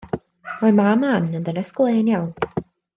Mae mam Anne yn ddynes glên iawn.